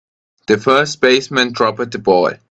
The first baseman dropped the ball.